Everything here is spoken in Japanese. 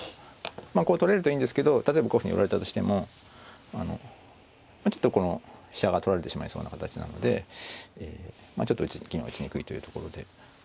こう取れるといいんですけど例えばこういうふうに寄られたとしてもこの飛車が取られてしまいそうな形なのでちょっと銀は打ちにくいというところで。